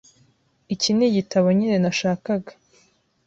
Iki nigitabo nyine nashakaga.